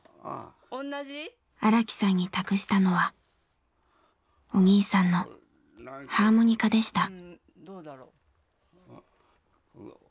荒木さんに託したのはお兄さんのハーモニカでした。